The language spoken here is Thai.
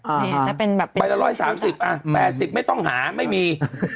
อ่าฮะแล้วเป็นแบบเป็น๓๐บาทครับอ่ะ๘๐ไม่ต้องหาไม่มี